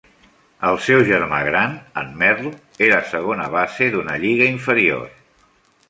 El seu germà gran, en Merle, era segona base d'una lliga inferior.